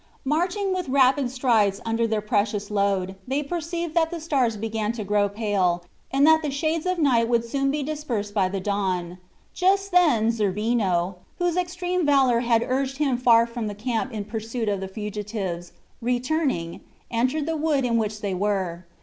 Marching with rapid strides under their precious load, they perceived that the stars began to grow pale, and that the shades of night would soon be dispersed by the dawn. Just then Zerbino, whose extreme valor had urged him far from the camp in pursuit of the fugitives, returning, entered the wood in which they were.